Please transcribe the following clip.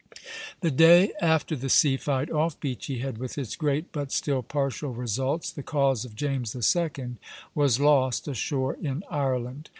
The day after the sea fight off Beachy Head, with its great but still partial results, the cause of James II. was lost ashore in Ireland.